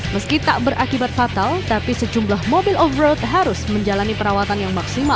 meski tak berakibat fatal tapi sejumlah mobil off road harus menjalani perawatan yang maksimal